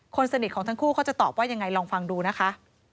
คนสนิทของทั้งคู่เขาจะตอบว่ายังไงลองฟังดูนะคะ